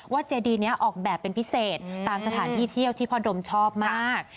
เจดีนี้ออกแบบเป็นพิเศษตามสถานที่เที่ยวที่พ่อดมชอบมาก